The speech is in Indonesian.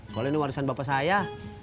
kalau ini warisan bapak saya